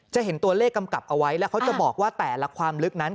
จะเห็นตัวเลขกำกับเอาไว้แล้วเขาจะบอกว่าแต่ละความลึกนั้น